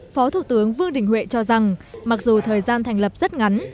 phó thủ tướng vương đình huệ cho rằng mặc dù thời gian thành lập rất ngắn